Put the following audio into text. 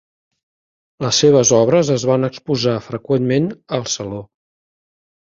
Les seves obres es van exposar freqüentment al saló.